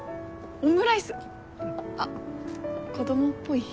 オムライスあっ子供っぽい？